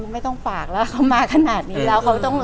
ไม่ต้องฝากแล้วเขามาขนาดนี้แล้ว